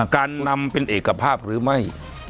การนำเป็นเอกภาพหรือไม่